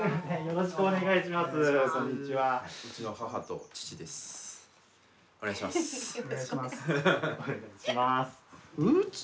よろしくお願いします。